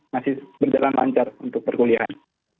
masih berjalan lancar untuk perkuliahan